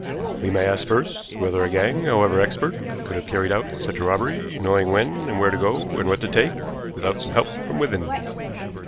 We may ask first, whether a gang, however expert, could have carried out such a robbery, knowing when and where to go and what to take, without some help from within.